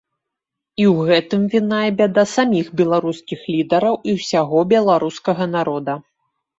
І ў гэтым віна і бяда саміх беларускіх лідараў і ўсяго беларускага народа.